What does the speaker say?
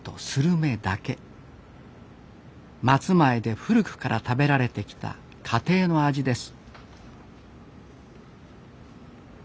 松前で古くから食べられてきた家庭の味です。